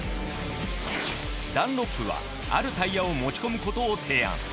ダンロップはあるタイヤを持ち込むことを提案。